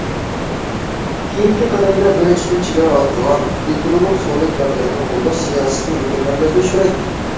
كېيىنكى قەدەمدە، بىرىنچىدىن، چېگرا ھالقىغان ئېلېكتىرونلۇق سودا تەرەققىياتىنى قوللاش سىياسىتىنى مۇكەممەللەشتۈرۈش كېرەك.